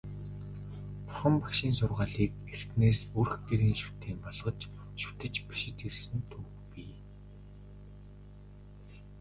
Бурхан Багшийн сургаалыг эртнээс өрх гэрийн шүтээн болгож шүтэж ирсэн түүх бий.